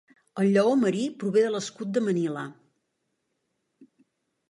El lleó marí prové de l"escut de Manila.